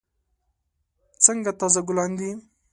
څنګه تازه ګلان دي.